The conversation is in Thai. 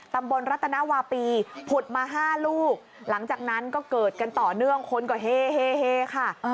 รัฐนาวาปีผุดมา๕ลูกหลังจากนั้นก็เกิดกันต่อเนื่องคนก็เฮค่ะ